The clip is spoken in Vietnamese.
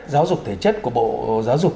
giáo dục thể chất của bộ giáo dục